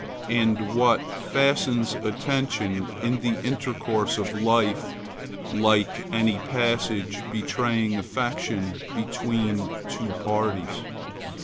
And what fastens attention, in the intercourse of life, like any passage betraying affection between two parties?